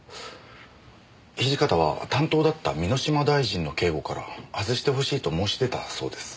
土方は担当だった箕島大臣の警護からはずしてほしいと申し出たそうです。